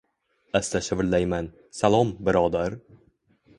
Asta shivirlayman: Salom, birodar!